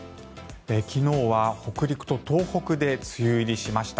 昨日は北陸と東北で梅雨入りしました。